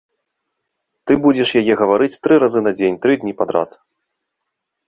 Ты будзеш яе гаварыць тры разы на дзень тры дні падрад.